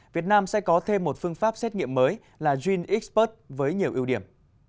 việt nam sẽ có thêm một phương pháp xét nghiệm mới là genexpert với nhiều ưu điểm